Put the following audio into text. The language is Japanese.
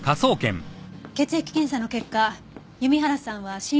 血液検査の結果弓原さんは心不全でした。